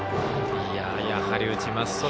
やはり打ちます。